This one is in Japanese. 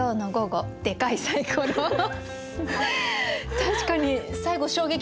確かに最後衝撃ですね。